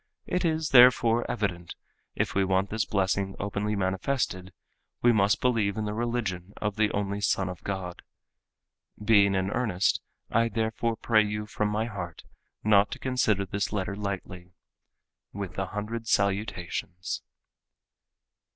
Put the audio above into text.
It is therefore evident if we want this blessing openly manifested, we must believe in the religion of the only Son of God. Being in earnest, I therefore pray you from my heart not to consider this letter lightly. With a hundred salutations."